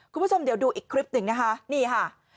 คุณผู้ชมเดี๋ยวดูอีกคลิปหนึ่งนะคะนี่ค่ะ